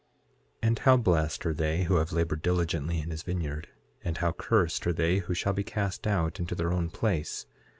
6:3 And how blessed are they who have labored diligently in his vineyard; and how cursed are they who shall be cast out into their own place!